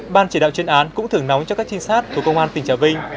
ban chỉ đạo chuyên án cũng thưởng nóng cho các trinh sát của công an tỉnh trà vinh